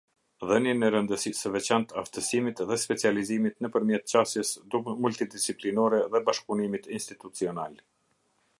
Dhënien e rëndësisë së veçantë aftësimit dhe specializimit nëpërmjet qasjes multidisiplinore dhe bashkëpunimit institucional.